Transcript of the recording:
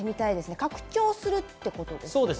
拡張するってことですもんね。